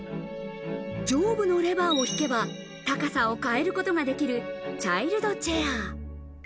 上部のレバーを引けば高さを変えることができるチャイルドチェア。